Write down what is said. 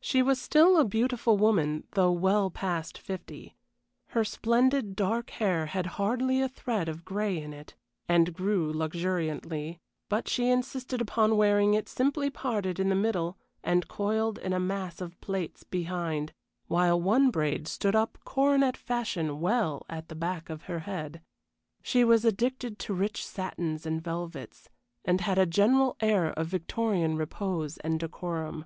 She was still a beautiful woman, though well past fifty. Her splendid, dark hair had hardly a thread of gray in it, and grew luxuriantly, but she insisted upon wearing it simply parted in the middle and coiled in a mass of plaits behind, while one braid stood up coronet fashion well at the back of her head. She was addicted to rich satins and velvets, and had a general air of Victorian repose and decorum.